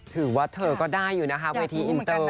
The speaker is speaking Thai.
ถือว่าเธอก็ได้อยู่นะคะเวทีอินเตอร์